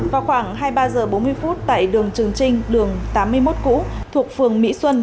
vào khoảng hai mươi ba h bốn mươi phút tại đường trường trinh đường tám mươi một cũ thuộc phường mỹ xuân